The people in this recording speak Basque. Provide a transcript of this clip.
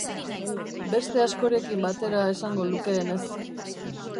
Beste askorekin batera esango lukeenez.